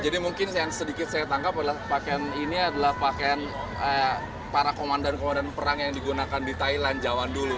jadi mungkin yang sedikit saya tangkap adalah pakaian ini adalah pakaian para komandan komandan perang yang digunakan di thailand jaman dulu